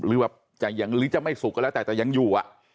หรือจะไม่สุขก็แล้วแต่ยังอยู่อ่ะ